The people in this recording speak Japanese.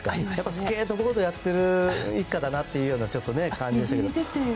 スケートボードをやってる一家だなというようなそういう感じがしたけど。